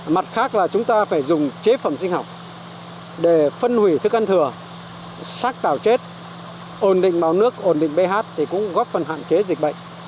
mặt khác là chúng ta phải dùng chế phẩm sinh học để phân hủy thức ăn thừa sát tạo chết ổn định báo nước ổn định ph thì cũng góp phần hạn chế dịch bệnh